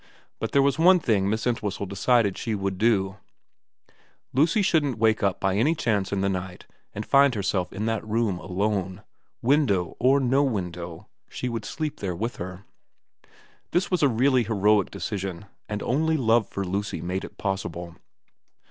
But there was one thing Miss Entwhistle decided she would do : Lucy shouldn't wake up by any chance in the night and find herself in that room alone, window or no window, she would sleep there with her. This was a really heroic decision, and only love for Lucy made it possible.